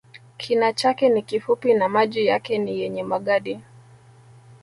Kina chake ni kifupi na maji yake ni yenye magadi